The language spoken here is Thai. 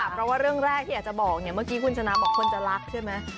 เพราะว่าเรื่องแรกที่อยากจะบอกเนี่ยเมื่อกี้คุณชนะบอกคนจะรักใช่ไหม